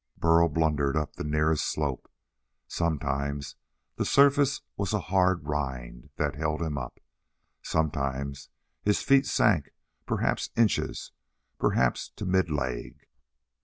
Burl blundered up the nearest slope. Sometimes the surface was a hard rind that held him up. Sometimes his feet sank perhaps inches, perhaps to mid leg.